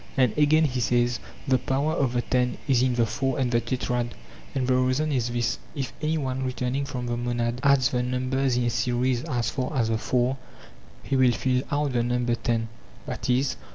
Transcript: And again, he says, the power of the ten is in the four and the tetrad. And the reason is this: if any one treturningt from the monad adds the numbers in a series as far as the four, he will fill out the number ten (i.e.